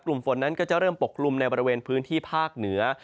ฝนนั้นก็จะเริ่มปกกลุ่มในบริเวณพื้นที่ภาคเหนือ